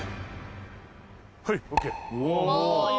はいＯＫ。